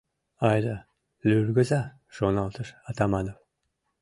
«Айда люргыза, — шоналтыш Атаманов.